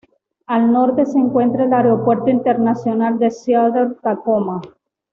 Al norte se encuentra el Aeropuerto Internacional de Seattle-Tacoma.